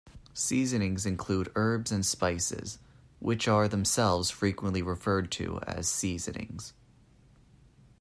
Seasonings include herbs and spices, which are themselves frequently referred to as "seasonings".